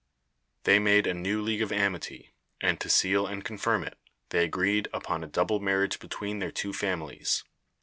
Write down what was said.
They made a new league of amity, and, to seal and confirm it, they agreed upon a double marriage between their two families.